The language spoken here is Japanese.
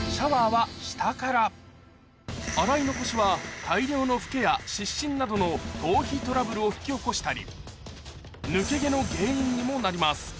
洗い残しは大量のフケや湿疹などの頭皮トラブルを引き起こしたり抜け毛の原因にもなります